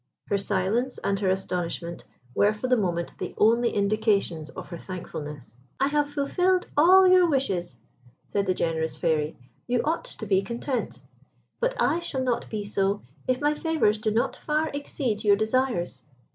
Her silence and her astonishment were for the moment the only indications of her thankfulness. "I have fulfilled all your wishes," said the generous Fairy. "You ought to be content; but I shall not be so if my favours do not far exceed your desires.